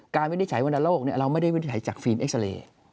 วินิจฉัยวรรณโลกเราไม่ได้วินิจฉัยจากฟิล์มเอ็กซาเรย์